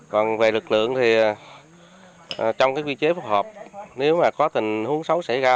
còn về lực lượng thì trong cái vị trí phù hợp nếu mà có tình huống xấu xảy ra